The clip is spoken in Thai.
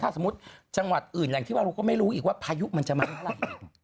สมมุติจังหวัดอื่นอย่างที่ว่าเราก็ไม่รู้อีกว่าพายุมันจะมาเมื่อไหร่